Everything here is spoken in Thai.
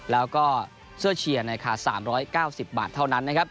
แล้วก็เสื้อเชียร์๓๙๐บาทเท่านั้น